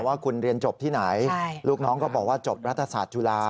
ว่าคุณเรียนจบที่ไหนลูกน้องก็บอกว่าจบรัฐศาสตร์จุฬา